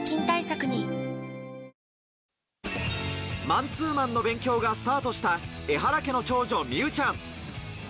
マンツーマンの勉強がスタートした、エハラ家の長女・美羽ちゃん。